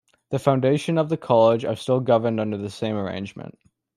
The foundation and the college are still governed under the same arrangement.